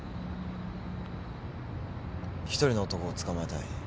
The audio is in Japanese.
一人の男を捕まえたい。